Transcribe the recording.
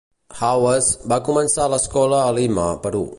Hawes va començar l'escola a Lima, Perú.